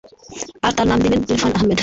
আর তার নাম দিলাম ইরফান আহমেদ।